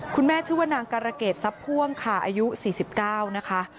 คุณแม่ชื่อนางกรเกษซับพ่วงค่ะอายุ๔๙นะคะ